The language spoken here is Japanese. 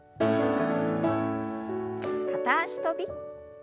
片脚跳び。